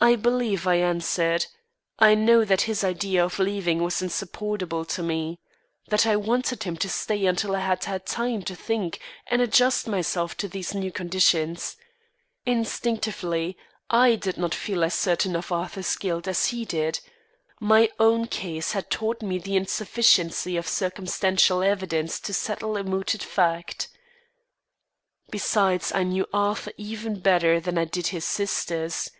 I believe I answered. I know that his idea of leaving was insupportable to me. That I wanted him to stay until I had had time to think and adjust myself to these new conditions. Instinctively, I did not feel as certain of Arthur's guilt as he did. My own case had taught me the insufficiency of circumstantial evidence to settle a mooted fact. Besides, I knew Arthur even better than I did his sisters.